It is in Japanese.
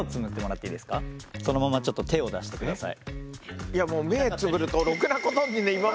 そのままちょっと手を出してください。